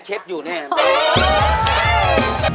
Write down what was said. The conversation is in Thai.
อันนี้รั่วอยู่นี่ไง